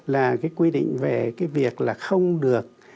là cái quy định về cái việc là không được